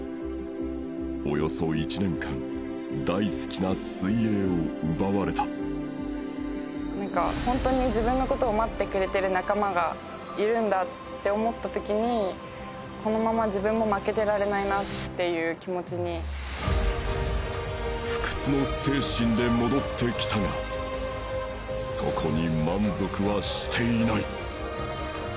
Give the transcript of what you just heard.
およそ１年間大好きな水泳を奪われたなんか本当に自分のことを待ってくれてる仲間がいるんだって思ったときにこのまま自分も負けてられないなっていう気持ちに不屈の精神で戻ってきたがそこに満足はしていない